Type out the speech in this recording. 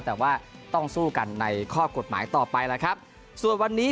แต่ว่าต้องสู้กันในข้อกฎหมายต่อไปแล้วครับส่วนวันนี้